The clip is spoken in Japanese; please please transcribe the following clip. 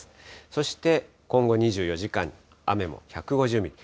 そして今後２４時間、雨も１５０ミリ。